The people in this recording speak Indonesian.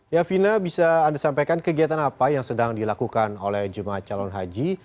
ya vina bisa anda sampaikan kegiatan apa yang sedang dilakukan oleh jemaah calon haji